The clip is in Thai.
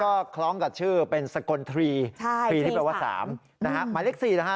และคล้องกับชื่อเป็นสกลทีที่แปลว่าสามหมายเลข๔นะคะ